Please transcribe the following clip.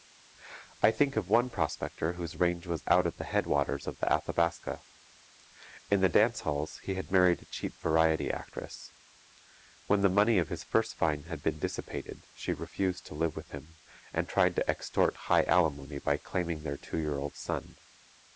I think of one prospector whose range was at the headwaters of the Athabaska. In the dance halls he had married a cheap variety actress. When the money of his first find had been dissipated she refused to live with him, and tried to extort high alimony by claiming their two year old son.